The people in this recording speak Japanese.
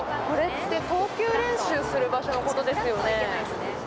投球練習する場所のことですよね。